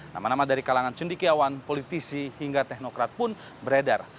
nama nama dari kalangan cendikiawan politisi hingga teknokrat pun beredar